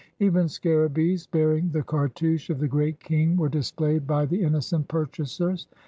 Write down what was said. Even scarabees bearing the cartouche of the great king were displayed by the 16:: EGYPT innocent purchasers.